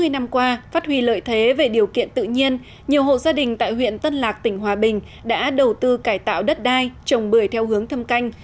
chín mươi năm qua phát huy lợi thế về điều kiện tự nhiên nhiều hộ gia đình tại huyện tân lạc tỉnh hòa bình đã đầu tư cải tạo đất đai trồng bưởi theo hướng thâm canh